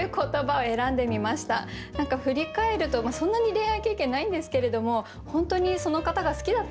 何か振り返るとまあそんなに恋愛経験ないんですけれども本当にその方が好きだったのかな？